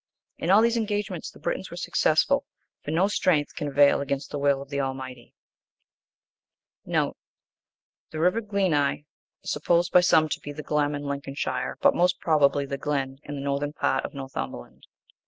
In all these engagements the Britons were successful. For no strength can avail against the will of the Almighty. (1) Supposed by some to be the Glem, in Lincolnshire; but most probably the Glen, in the northern part of Northumberland.